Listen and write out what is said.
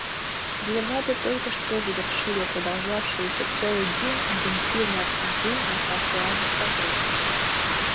Делегаты только что завершили продолжавшиеся целый день интенсивные обсуждения по актуальному вопросу.